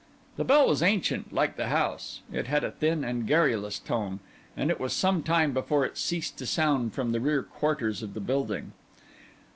The bell was ancient, like the house; it had a thin and garrulous note; and it was some time before it ceased to sound from the rear quarters of the building.